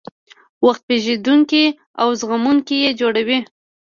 وخت پېژندونکي او زغموونکي یې جوړوي.